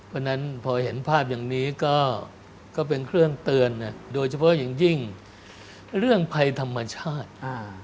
เพราะฉะนั้นพอเห็นภาพอย่างนี้ก็เป็นเครื่องเตือนโดยเฉพาะอย่างยิ่งเรื่องภัยธรรมชาติ